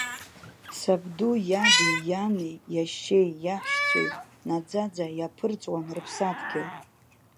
Сабду иаби иани, иашьеи иаҳәшьцәеи наӡаӡа иаԥырҵуан рыԥсадгьыл.